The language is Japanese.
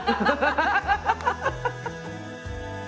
ハハハハ！